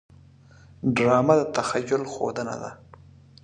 ډرامه د تخیل ښودنه ده